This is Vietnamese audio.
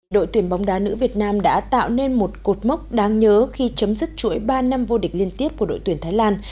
đội tuyển bóng đá nữ việt nam đã tạo nên một cột mốc đáng nhớ khi chấm dứt chuỗi ba năm vô địch liên tiếp của đội tuyển thái lan